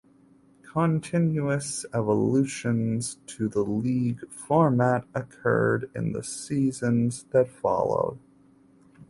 Continuous evolutions to the league format occurred in the seasons that followed.